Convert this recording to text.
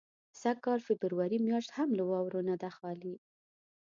سږ کال فبروري میاشت هم له واورو نه ده خالي.